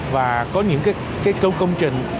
và có những cái công trình